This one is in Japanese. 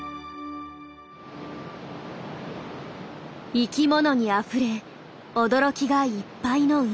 生きものにあふれ驚きがいっぱいの海。